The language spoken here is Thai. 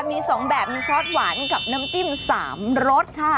มี๒แบบมีซอสหวานกับน้ำจิ้ม๓รสค่ะ